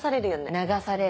流される。